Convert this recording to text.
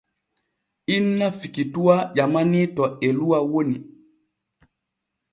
Inna Fikituwa ƴamanii to Eluwa woni.